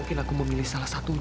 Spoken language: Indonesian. tidak ada yang harus selamatkan